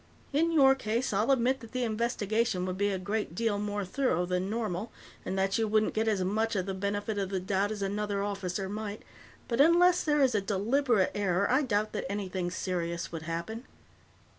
In your case, I'll admit that the investigation would be a great deal more thorough than normal, and that you wouldn't get as much of the benefit of the doubt as another officer might, but unless there is a deliberate error I doubt that anything serious would happen."